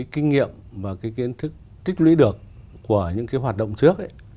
kinh nghiệm và kiến thức tích lũy được của những hoạt động trước